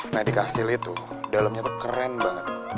nah di kastil itu dalamnya tuh keren banget